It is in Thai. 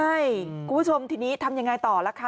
ใช่คุณผู้ชมทีนี้ทำยังไงต่อล่ะคะ